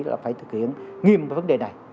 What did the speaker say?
là phải thực hiện nghiêm vấn đề này